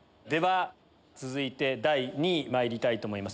続いて第２位まいりたいと思います。